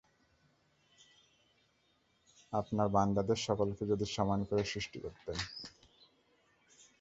আপনার বান্দাদের সকলকে যদি সমান করে সৃষ্টি করতেন!